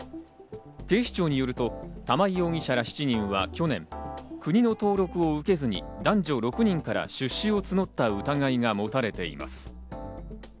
警視庁によると玉井容疑者ら７人は去年、国の登録を受けずに男女６人から出資を募った疑いが持たれています。